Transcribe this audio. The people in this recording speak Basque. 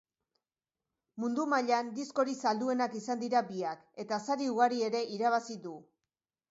Mundu mailan diskorik salduenak izan dira biak eta sari ugari ere irabazi du.